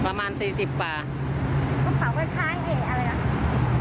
ประมาณสี่สิบป่าวกระเป๋าก็คล้ายเอกอะไรล่ะ